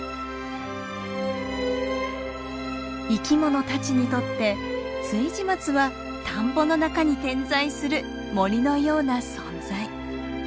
生き物たちにとって築地松は田んぼの中に点在する森のような存在。